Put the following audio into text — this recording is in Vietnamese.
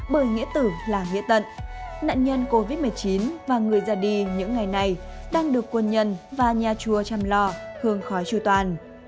bởi nghĩa tử là nghĩa tận nạn nhân covid một mươi chín và người ra đi những ngày này đang được quân nhân và nhà chùa chăm lo hương khói tru toàn